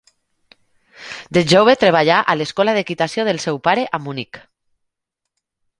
De jove treballà a l'escola d'equitació del seu pare a Munic.